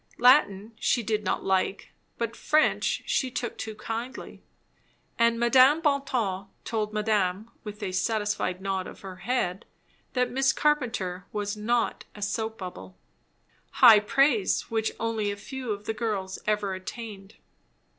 Latin she did not like, but French she took to kindly; and Madame Bonton told madame with a satisfied nod of her head, that Miss Carpenter was "not a soap bubble", high praise, which only a few of the girls ever attained.